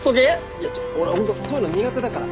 いや俺ホントそういうの苦手だから。